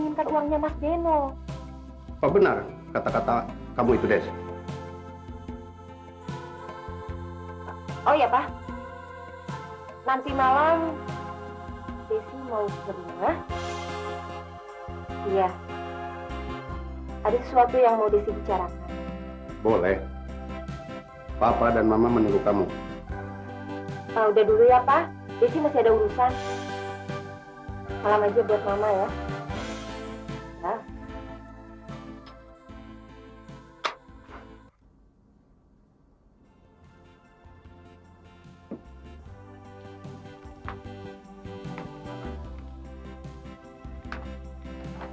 minta uangnya mas beno benar kata kata kamu itu des oh ya pak nanti malam desi mau berdua